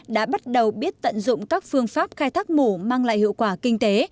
đã bắt đầu biết tận dụng các phương pháp khai thác mù mang lại hiệu quả kinh tế